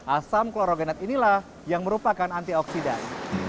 asam klorogenat inilah yang merupakan antioksidan